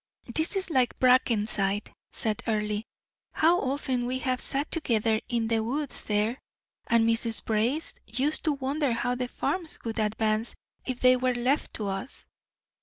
"This is like Brackenside," said Earle. "How often we have sat together in the woods there! And Mrs. Brace used to wonder how the farms would advance if they were left to us."